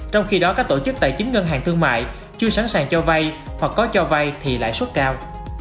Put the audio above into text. trong khi đó các tổ chức tài chính ngân hàng thương mại chưa sẵn sàng cho vay hoặc có cho vay thì lãi suất cao